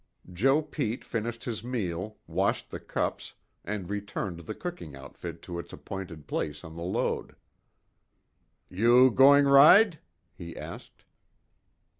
Joe Pete finished his meal, washed the cups, and returned the cooking outfit to its appointed place on the load. "You goin' ride?" he asked.